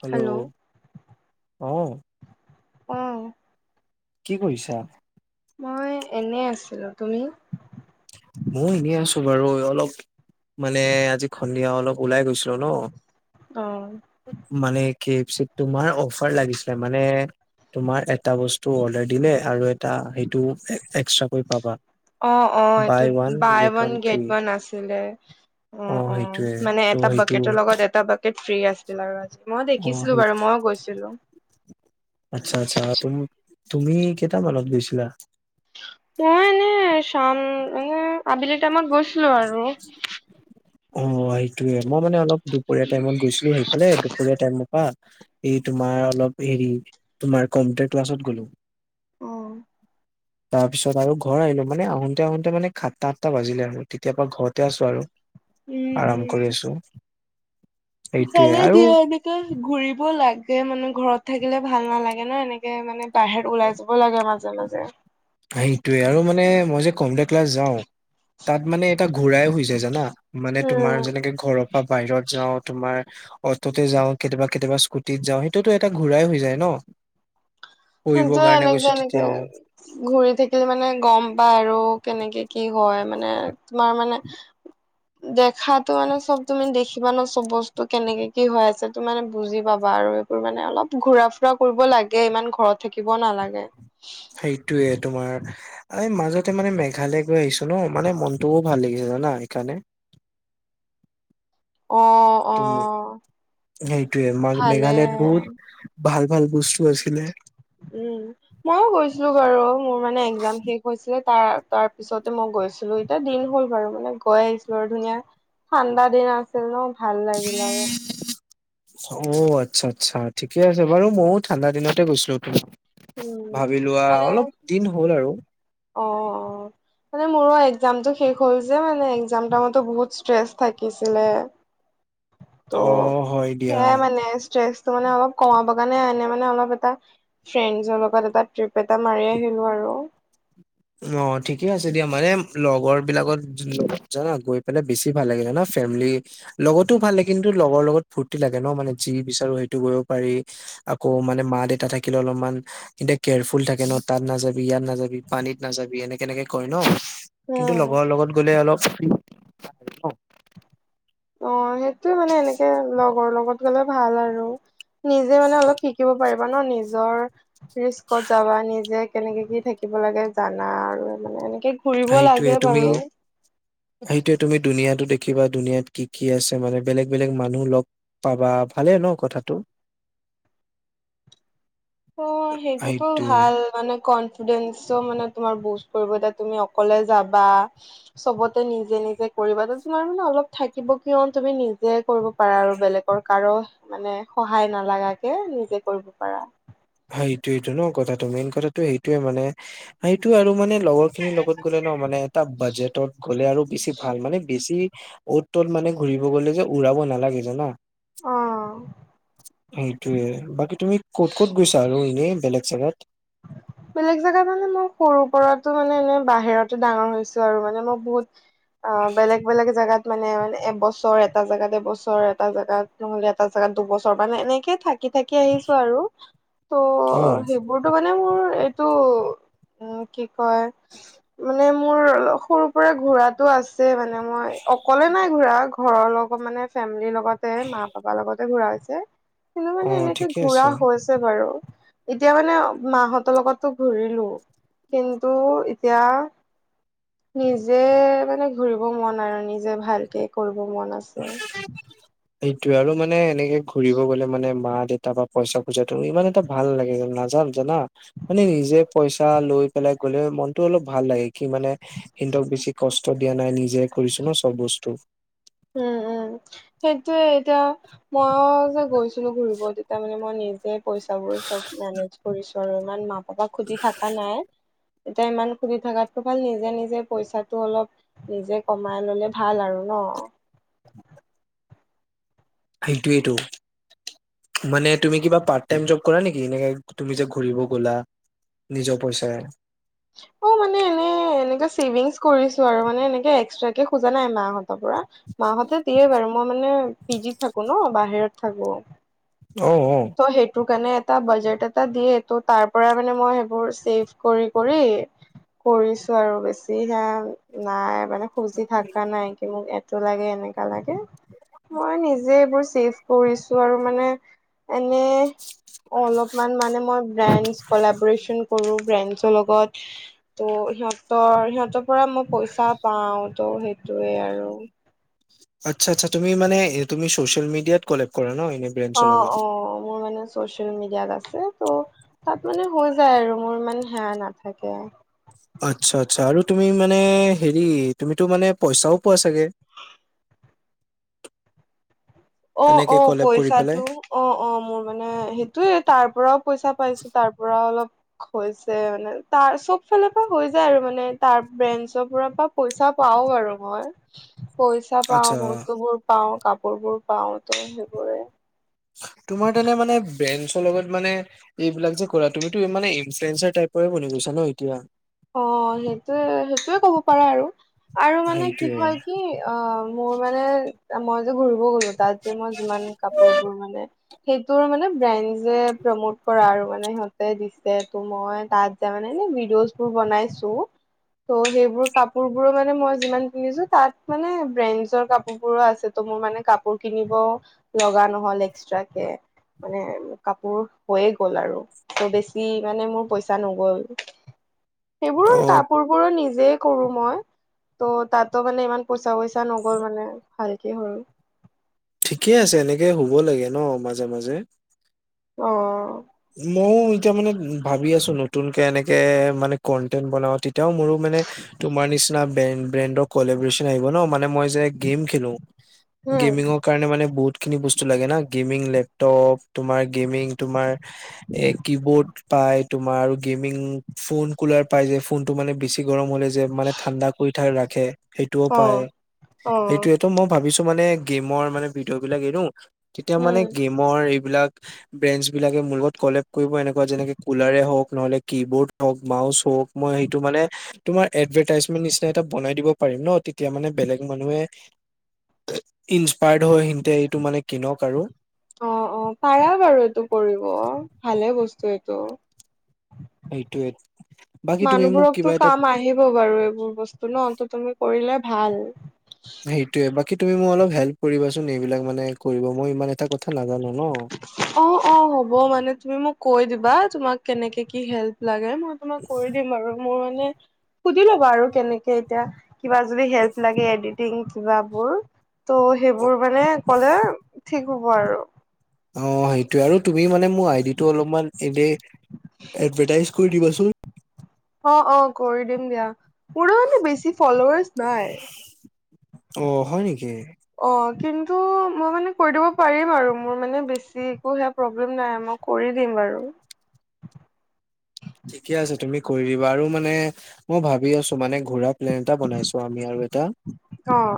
Hello, অ, অ', কি কৰিছা? মই এনেই আছিলোঁ তুমি? মও এনেই আছো বাৰু ঐ অলপ মানে আজি সন্ধিয়া অলপ ওলাই গৈছিলোঁ ন'। অ', মানে কে এফ চিত তোমাৰ অফাৰ লাগিছিলে মানে তোমাৰ এটা বস্তু অৰ্ডাৰ দিলে আৰু এটা সেইটো এক্সট্ৰা কৈ পাবা। অ', অ', বাই এইটোত one buy one free get one আছিলে। অ উম-উম সেইটোয়ে মানে ত' এটা সেইটো বাকেটৰ লগত এটা বাক তে ফ্ৰী আছিল আৰু আজি মই অ দেখিছিলোঁ সেই বাৰু মইও গৈছিলোঁ। আচ্ছা-আচ্ছা তুমি-তুমি কেইটামানত গৈছিলা? মই এনে চাম মানে আবেলি টাইমত গৈছিলোঁ আৰু। অ, সেইটোৱে মই মানে অলপ দুপৰীয়া টাইমত গৈছিলোঁ সেইফালে দুপৰীয়া টাইমপা এই তোমাৰ অলপ হেৰি তোমাৰ কম্পিউটাৰ ক্লাছত গ'লোঁ। অ তাৰ পিছত আৰু ঘৰ আহিলোঁ মানে আহোঁতে -আহোঁতে মানে সাতটা, আঠটা বাজিলে আৰু। তেতিয়াপা ঘৰতে আছো আৰু উম উম আৰাম কৰি আছোঁ। ভালে দিয়া এনে তেই ঘূৰিব লাগে মানে ঘৰত থাকিলে ভাল নালাগে ন' এনেকে মানে বাহেত ওলাই যাব লাগে মাজে-মাজে। আ সেইটোৱে আৰু মানে মই যে ক'ম দেক ক্লাছ যাওঁ তাত মানে এটা ঘোঁৰাই শুইছে জানা মানে তোমাৰ উম যেনেকে ঘৰত বা বাহিৰত যাওঁ তোমাৰ অটোতে যাওঁ, কেতিয়াবা-কেতিয়াবা স্কুটিত যাওঁ, সেইটোতো এটা ঘূৰাই হৈ যায় ন'? পঢ়িবৰ সেইটো কাৰণে গৈছো এনেকে-এনেকে তেতিয়াও ঘুৰি থাকিলে মানে গম পায় আৰু কেনেকে কি হয় মানে তোমাৰ মানে [inaudible] দেখাতো মানে চব তুমি দেখিবা ন' চব বস্তু কেনেকে কি হৈ আছে তো মানে বুজি পাবা আৰু এইবোৰ মানে অলপ ঘুৰা -ফু ফুৰা কৰিব লাগে ইমান ঘৰত থাকিব নালাগে। সেইটোৱেই তোমাৰ এই মাজতে মানে মেঘালয় গৈ আহিছো ন' মানে মনটোও ভাল লাগিছে জানা এইকাৰণে। অ', অ', উম, সেইটোৱেই ভালে মেঘালয়ত বহুত ভাল-ভাল বচ উম, ময়ও গৈছিলো বাৰু মোৰ মানে একজাম শেষ। হৈছিলে তাৰ-তাৰ পিছতে মই গৈছিলোঁ এতিয়া দিন হ'ল বাৰু মানে গৈ আহিছিলোঁ আৰু ধুনীয়া ঠাণ্ডা দিন আছিল ন' ভাল লাগিল আৰু। অ, আচ্ছা-আচ্ছা ঠিকে আছে বাৰু ময়ো ঠাণ্ডা দিনতে গৈছিললোঁ উম ভাবি লোৱা মানে অলপ দিন হ'ল আৰু। অ', অ', মানে মোৰো একজামটো শেষ হল যে মানে একজাম টাইমতো বহুত ষ্ট্ৰেছ থাকিছিলে। [inaudible] ত' অ' হয় দিয়া সেয়াই মানে ষ্ট্ৰেচটো মানে অলপ কমাব কাৰণে এনে মানে অলপ এটা ফ্ৰেণ্ডছৰ লগত এটা ট্ৰিপ এটা মাৰি আহিলোঁ আৰু। ম ঠিকে আছে দিয়া মানে লগৰবিলাকত জানা গৈ পেলাই বেছি ভাল লাগে জানা ফেমিলি লগতো ভাল লাগে কিন্তু লগৰ লগত ফূৰ্তি লাগে ন মানে যি বিচাৰো সেইটো কৰিব পাৰি। আকৌ মানে মা-দেউতা থাকিলেও অলপমান এয়া কেয়াৰফুল থাকে ন'তাত নাযাবি, ইয়াত নাযাবি পানীত নাযাবি এনেকে-এনেকে কয় ন কিন্তু উম লগৰ লগত গ'লে অলপ অ, সেইটোৱেই মানে এনেকে লগৰ লগত গলে ভাল আৰু। নিজে মানে অলপ শিকিব পাৰিবা ন নিজৰ ৰিস্কত যাবা, নিজে কেনেকে কি থাকিব লাগে জানা আৰু মানে এনেকে ঘুৰিব লাগে বাৰু সেইটোৱেই তুমি দুুনীয়াতো দেখিবা, দুুনীয়াত কি কি আছে মানে বেলেগ-বেলেগ মানুহ লগ পাবা ভালে ন কথাটো অ সেইটোতো সেইটোয়ে ভাল মানে কন ফিডেন্সটো মানে তোমাৰ বুষ্ট কৰিব তাত তুমি অকলে যাবা চবতে নিজে-নিজে কৰিবা, তোমাৰ মানে অলপ থাকিব কিয় তুমি নিজে কৰিব পাৰা আৰু বেলেগৰ কাৰো মানে সহায় নালাগাকে নিজে কৰিব পাৰা। সেইটোৱেইটো ন কথাটো, মেইন কথাটো সেইটোৱেই মানে, সেইটো আৰু মানে লগৰ খিনিৰ লগত গ'লে ন মানে এটা বাজেটত গ'লে আৰু বেছি ভাল মানে বেছি অত টত মানে ঘুৰিব গলে যে উৰাব নালাগে জানা অ' সে- টোৱেই বাকী তুমি ক'ত ক'ত গৈছা আৰু এনেই বেলেগ জেগাত বেলেগ জেগাত মানে মই সৰুৰ পৰাতো মানে এনেই বাহিৰতে ডাঙৰ হৈছো আৰু মানে মই বহুত অ বেলেগ-বেলেগ জেগাত মানে-মানে এবছৰ এটা জেগাত এবছৰ, এটা জেগাত নহ'লে এটা জেগাত দুবছৰ মানে এনেকে থা থাকি-থাকি আহিছো আৰু [inaudible] ত' অ সেইবোৰতো মানে মোৰ এইটো উম কি কয় মানে মোৰ অলপ সৰুৰ পৰা ঘূৰাত তো আছে মানে মই অকলে নাই ঘুৰা ঘৰৰ লগত মানে ফেমিলিৰ লগত লগতে মা-পাপাৰ লগতে ঘুৰা হৈছে কিন্তু অ মানে এনেকে ঠিকে ঘুৰা আছে হৈ ছে বাৰু এতিয়া মানে মাঁহত তোৰ লগততো ঘুৰিলো কিন্তু এতিয়া নিজে মানে ঘুৰিব মন আৰু নিজে ভালকে কৰিব মন আছে। সেইটোৱে আৰু মানে এনেকে ঘুৰিব গলে মানে মা দেউ তাৰ পৰা পইচা খোজাতো ইমান এটা ভাল নেলাগে নাযাম জানা মানে নিজে পইচা লৈ পেলাই গলে মনটো অলপ ভাল লাগে কি মানে সিহঁতক বেছি কষ্ট দিয়া নাই নিজে কৰিছো ন চব বস্তু উম উম সেইটোৱে এতিয়া মইয়ো যে গৈছিলো ঘুৰিব তেতিয়া মানে মই নিজে পইচা বোৰ চব মেনেজ কৰিছো তো ইমান মা-পাপাক সুধি থাকা নাই। এতিয়া ইমান খুজি থাকাতকৈ ভাল নিজে নিজে পইচাটো অলপ নিজে কমাই ললে ভাল আৰু ন। সেইটোৱেইটো মানে তুমি কিবা পাৰ্ট টাইম জব কৰা নেকি এনেকে তুমি যে ঘূৰিব গ'লা। নিজৰ পইচাৰে অ মানে এনে এনেকে চেভিংছ কৰিছো আৰু মানে এনেকে এক্সট্ৰাকে খোজা নাই মাঁহত তৰ পৰা মাহঁতে দিয়ে বাৰু মই মানে পি জি ত থাকো ন বাহিৰত থাকো। অ অ ত সেইটোৰ কাৰণে এটা বাজেট এটা দিয়ে ত' তাৰ পৰা মানে মই সেইবোৰ চেভ কৰি কৰি কৰিছো আৰু বেছি সেয়া নাই। মানে খুজি থাকা নাই কি মোক এটো লাগে এনেকা লাগে মই নিজে এইবোৰ চেফ কৰিছো আৰু মানে এনেই অলপমান মানে মই ব্ৰেণ্ডছ কলাব্ৰেচন কৰো ব্ৰেণ্ডছৰ লগত ত' সিহঁতৰ সিহঁতৰ পৰা মই পইচা পাও ত' সেইটোৱে আৰু আচ্ছা আচ্ছা তুমি মানে হেৰি তুমি চচিয়েল মিডিয়াত কলেব কৰা ন এনে অ ব্ৰেণ্ডছৰ লগত অ, মোৰ মানে আছে চচিয়েল মিডিয়াত আছে ত' তাত মানে হৈ যায় আৰু মোৰ ইমান সেয়া নাথাকে আচ্ছা আচ্ছা আৰু তুমি মানে হেৰি তুমিতো মানে পইচাও পোৱা চাগে অ অ এনেকে কলেব কৰি পইচাটো পেলাই অ অ মোৰ মানে সেইটোৱে তাৰ পৰাও পইচা পাইছোঁ তাৰ পৰাও অলপ হৈছে মানে তাৰ চব ফালৰ পৰা হৈ যায় আৰু মানে তাৰ ব্ৰেণ্ডছৰ পৰা পাব পইচা পাওঁ বাৰু মই পইচ পইচা পাওঁ, আচ্ছা বস্তু বোৰ পাওঁ, কাপোৰ বোৰ পাওঁ ত' সেইবোৰে তোমাৰ তেনে মানে ব্ৰেণ্ডছৰ লগত মানে এইবিলাক যে কৰা তুমিতো ই মানে ইনফ্লুৱেঞ্চাৰ টাইপৰে বনি গৈছা ন'এতিয়া অ, সেইটোৱে -সেইটোৱে ক'ব পাৰা আৰু- আৰু মানে কি সেইটোৱে হয় কি অ, মোৰ মানে মই যে ঘুৰিব গলো তাত যে মই যিমান কাপোৰবোৰ মানে সেইটোৰ মানে ব্ৰেণ্ডজে প্ৰমোট কৰা আৰু মানে ইহঁত তে দিছে ত' মই তাত যায় মানে এ ভিডিঅ'চ বোৰ বনাইছো। ত' সেইবোৰ কাপোৰ বোৰো মানে মই যিমান পিন্ধিছো তাত মানে ব্ৰেণ্ডছৰ কাপোৰ বোৰো আছে ত' মোৰ মানে কাপোৰ কিনিব লগা নহ'ল এক্সট্ৰা কে। মানে কাপোৰ হৈয়ে গ'ল আৰু ত' বেছি মানে মোৰ পইচা নগ'ল। সেইবোৰ অ কাপোৰ বোৰো নিজেই কৰো মই ত' তাতো মানে ইমান পইচা গৈছ তাই নগ'ল মানে ভালকে হ'ল। ঠিকেই আছে এনেকে হ'ব লাগে ন' মাজে- মাজে অ', ময়ও এতিয়া মানে ভাবি আছো নতুনকে এনেকে মানে কন্টেন্ট বনাওঁ তেতিয়াও মোৰো মানে তোমাৰ নিচিনা ব্ৰেণ্ড- ব্ৰেণ্ডৰ কলেব্ৰেচন আহিব ন'মানে মই যে গেম খেলো গেমিংক উম কাৰণে মানে বহুতখিনি বস্তু লাগে না গেমিং লেপটপ তোমাৰ গেমিং তোমাৰ এ কি বোৰ্ড পাই তোমাৰ আৰু গেমিং ফোন কুলাৰ পাই যে ফোনটো মানে বেছি গৰম হ'লে যে মানে ঠাণ্ডা কৰি থাই ৰাখে সেইটোও অ পায় অ সেইটোৱে ত'মইও ভাবিছো মানে গেমৰ মানে ভিডিঅ' বিলাক এৰো তেতিয়া মানে উম গেম মৰ এইবিলাক ব্ৰেনছ বিলাক এ মোৰ লগত কলেব কৰিব এনেকুৱা যেনেকে কুলাৰে হওঁক নহলে কি বৰ্ড হওক, মাউচ হওক মই সেইটো মানে তোমাৰ এডভাৰ্টাইজমেন্ট নিচিনা এটা বনাই দিব পাৰিম ন' তেতিয়া মানে বেলেগ মানুহে ইনসপায়াৰ্ড হৈ সিতে এইটো মানে কিনক আৰু। অ', অ', পাৰা বাৰু এইটো কৰিব ভালে বস্তু এইটো। সেইটোয়ে বাকী তুমি মোক কিবা মানুহবোৰকতো এটা কাম আহিব বাৰু এইবোৰ বস্তু। স্তু ন' ত' তুমি কৰিলে ভাল। [unintelligible] সেইটোয়ে বাকী তুমি মোক অলপ হেল্প কৰিবা চোন এইবিলাক মানে কৰিব মই ইমান এটা কথা নাজানো ন'। অ', অ', হ'ব মানে তুমি মোক কৈ দিবা তোমাক কেনেকে কি হেল্প লাগে। মই তোমাক কৰি দিম আৰু মোৰ মানে সুধি লবা আৰু কেনেকে এতিয়া কিবা যদি হেল্প লাগে এডিটিং কিবা বোৰ ত' সেইবোৰ মানে ক'লে ঠিক হ'ব আৰু। অ, সেইটোৱে আৰু তুমি মানে মোৰ আইডি টো অলপমান এনে এডভেটাইছ কৰি দিবা চোন? অ', অ', কৰি দিম দিয়া মোৰো মানে বেছি ফলৱাৰ্চ নাই। অ, হয় নেকি? অ, কিন্তু মই মানে কৰি দিব পাৰিম আৰু মোৰ মানে বেছি একো হে প্ৰব্লেম নাই মই কৰি দিম বাৰু। ঠিকে আছে তুমি কৰি দিবা আৰু মানে মই ভাবি আছো মানে ঘুৰা প্লেন এটা বনাইছো আমি আৰু এটা অ'।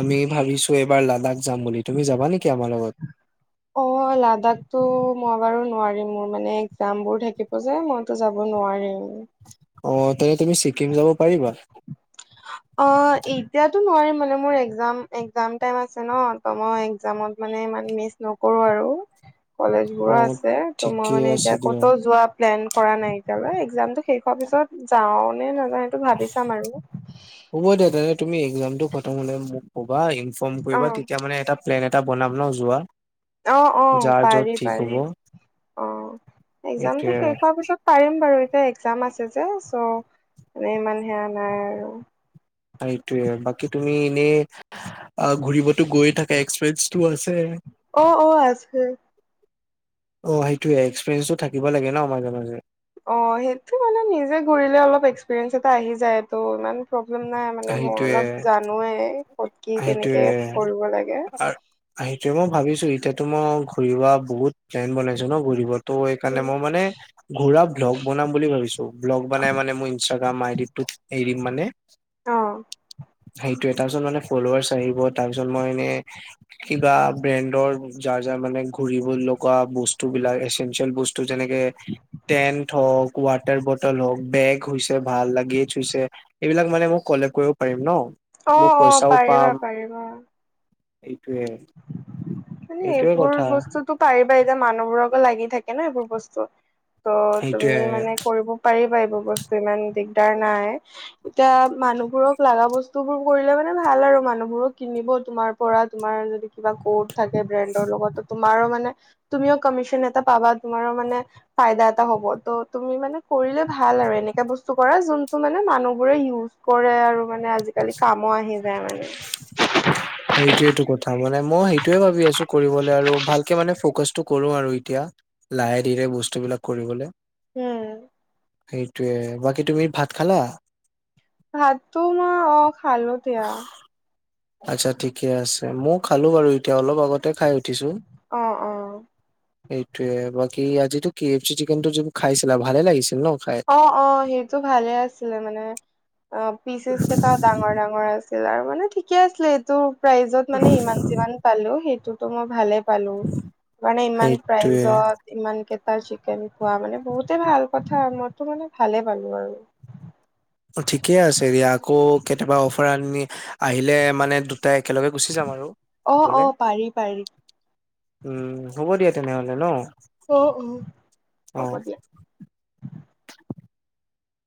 আমি ভাবিছো এইবাৰ লাডাখ যাম বুলি তুমি যাবা নেকি আমাৰ লগত? অ, লাডাখতো মই বাৰু নোৱাৰিম মোৰ মানে একজাম বোৰ থাকিব যে মই তো যাব নোৱাৰিম। অ, তেনে তুমি ছিকিম যাব পাৰিবা? অ, এতিয়াতো নোৱাৰিম মানে মোৰ একজাম- একজাম টাইম আছে ন' ত'মই একজামত মানে ইমান মিচ নকৰো আৰু। কলেজ অ বোৰো আছে ত ঠিকে মই মানে আছে এতিয়া দিয়া। ক'ত যোৱা প্লেন কৰা নাই এতিয়ালৈ একজামটো শেষ হোৱাৰ পিছত যাও নে নাযাওঁ সেইটো ভাবিছ চাম আৰু হ'ব দে তেনেহলে তুমি একজামটো খতম হলে মোক ক'বা ইনফৰ্ম অ কৰিবা তেতিয়া মানে এটা প্লেন এটা বনাম ন যোৱা অ অ যাৰ য'ত পাৰি ঠিক হ'ব পাৰি অ একজামটো এইটোয়ে শেষ হোৱাৰ পিছত পাৰিম বাৰু এতিয়া একজাম আছে যে চ' মান ইমান সেয়া নাই আৰু সেইটোৱে বাকি তুমি এনে আহ ঘূৰিবতো গৈয়ে থাকে এক্সপিৰিয়েঞ্চতো আছে অ অ আছে অ সেইটোয়ে এক্সপেৰিয়ঞ্চ থাকিব লাগে ন মাজে মাজে অ সেইটো মানে নিজে ঘূৰিলে অলপ এক্সপিৰিয়েঞ্চ এটা আহি যায় টো ইমান প্ৰব্লেম নাই মানে মই সেইটোয়ে অলপ জানোৱেই ক'ত কি কেনেকে কৰিব লাগে। আহ সেইটোয়ে মই ভাবিছো এতিয়াতো মই ঘূৰিবা বহুত প্লেন বনাইছো ন ঘূৰিব তো এইকাৰণে মই মানে ঘোৰা ব্লক বনাম বুলি ভাবিছো। ব্লক বনাই মানে মোৰ ইষ্টাগ্ৰাম আই দি টৌত এৰিম মানে অ সেইটোয়ে তাৰপিছত মানে ফলোৱাৰাৰ্চ আহিব তাৰপিছত মই এনে কিবা ব্ৰেনদৰ যাৰ যাৰ মানে ঘূৰিবোৰ লগোৱা বস্তু বিলাক এচেনচিয়েল বস্ তোৰ যেনেকে টেন হক, ৱাটাৰ বটল হক, বেগ হৈছে ভাল গেছ হৈছে এইবিলাক মানে মোক কলেব কৰিব পাৰিম ন অ মোৰ অ পইচাও পাৰিবা পাম পাৰিবা এইটোয়ে মানে এইটোয়ে এইবোৰ কথা বস্তুতো পাৰিবা যে মানুহবোৰকো লাগি থাকে ন এইবোৰ বস্তু ত সেইটোয়ে তুমি মানে কৰিব পাৰিবাই এইবোৰ বস্তু ইমান দিগদাৰ নাই এতিয়া মানুহবোৰক লগা বস্তু বোৰ কৰিলে মানে ভাল আৰু মানুহবোৰক কিনিব তোমাৰ পৰা তোমাৰ য দি কিবা কৌত থাকে ব্ৰেণ্ডৰ লগত তোমাৰো মানে তুমিও কমিচন এটা পাবা তোমাৰো মানে ফিয়দা এটা হ'বত তুমি মানে কৰিলে ভাল আৰু এনে বস্তু কৰা যোনটো মানে মানুহবোৰে ইওজ কৰে আৰু মানে আজিকালি কামো আহি যায় মানে সেইটোৱেটো কথা মানে মই সেইটোয়ে ভাবি আছো কৰিবলে আৰু ভালকে মানে ফকাচটো কৰো আৰু এতিয়া লাহে ধীৰে বস্তুবিলাক কৰিবলে উম সেইটোৱে বাকী তুমি ভাত খালা ভাতটো মই অ খালো দিয়া আচ্ছা ঠিকে আছে মই খালো বাৰু এতিয়া অলপ আগতে খাই উঠিছোঁ অ অ এইটোৱে বাকি আজিটো কে এফ চি চিকেনটো যোনটো খাইছিলা ভালে লাগিছিল ন খাই অ অ সেইটো ভালে আছিলে মানে অ পিচেচ কেইটাও ডাঙ ডাঙৰ ডাঙৰ আছিল আৰু মানে ঠিকে আছিলে এইটো প্ৰাইজত মানে ইমান যিমান পালো সেইটোতো মই ভালে পালো মানে ইমান সেইটোয়ে প্ৰাইজত ইমানকেইটাৰ চিকেন খোৱা মানে বহুতে ভাল কথা মইতো মানে ভালে পালো আৰু ঠিকে আছে দিয়া আকৌ কেতিয়াবা অফাৰ আনি আহিলে মানে দুটাই একেলগে গুচি যাম আৰু অ অ খাবলে পাৰি পাৰি উম হ'ব দিয়া তেনেহলে ন অ অ অ'। হ'ব দিয়া